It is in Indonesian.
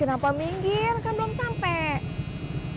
kenapa minggir kan belum sampai